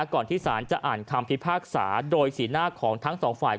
ก่อนที่ศาลจะอ่านคำพิพากษาโดยสีหน้าของทั้งสองฝ่าย